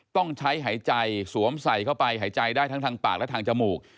ต้องใช้หายใจสวมใส่เข้าไปหายใจได้ทั้งทางปากและทางจมูก